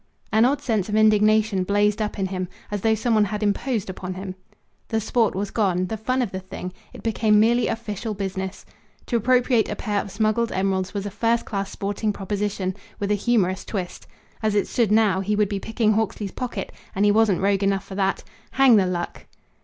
An odd sense of indignation blazed up in him, as though someone had imposed upon him. The sport was gone, the fun of the thing; it became merely official business. To appropriate a pair of smuggled emeralds was a first class sporting proposition, with a humorous twist. As it stood now, he would be picking Hawksley's pocket; and he wasn't rogue enough for that. Hang the luck!